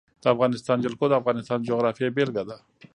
د افغانستان جلکو د افغانستان د جغرافیې بېلګه ده.